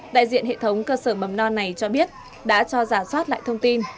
đại diện hệ thống cơ sở mầm non này cho biết đã cho giả soát lại thông tin